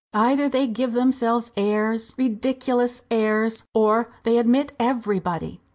"Either they give themselves airs rediculous airs! or they admit everybody!"